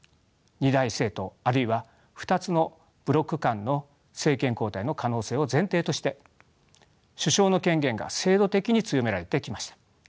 二大政党あるいは２つのブロック間の政権交代の可能性を前提として首相の権限が制度的に強められてきました。